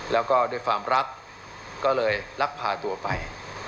แล้วก็ด้วยความรักก็เลยลักพาตัวไป